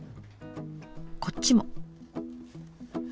こっちも。